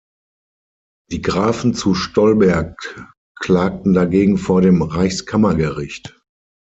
Die Grafen zu Stolberg klagten dagegen vor dem Reichskammergericht.